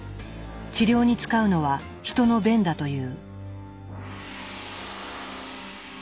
治療に使うのは人の便だという。